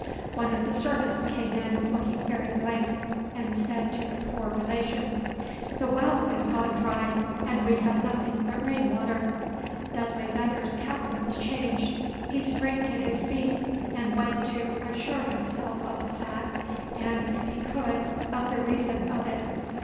One of the servants came in, looking very blank, and said to the poor relation, "The well is gone dry; we have nothing but rainwater." Dudley Venner's countenance changed; he sprang to, his feet and went to assure himself of the fact, and, if he could, of the reason of it.